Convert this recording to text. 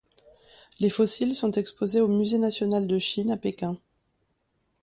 Les fossiles sont exposés au Musée national de Chine à Pékin.